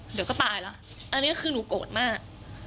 เดี๋ยวก็ตายแล้วอันนี้คือหนูโกรธมาก